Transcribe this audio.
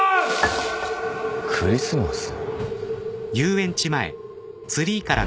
クリスマス。